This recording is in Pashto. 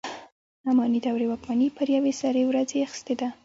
اماني دورې واکمني پر یوې سرې ورځې اخیستې ده.